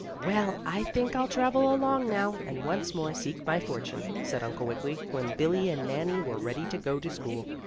"Well, I think I'll travel along now, and once more seek my fortune," said Uncle Wiggily, when Billie and Nannie were ready to go to school.